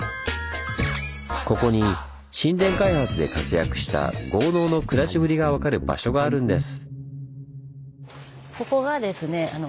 ここに新田開発で活躍した豪農の暮らしぶりが分かる場所があるんです。